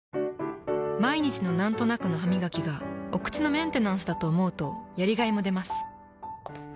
毎日のなんとなくのハミガキがお口のメンテナンスだと思うとやりがいもでます。